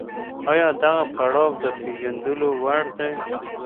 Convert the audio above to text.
آيا دغه پړاو د پېژندلو وړ دی؟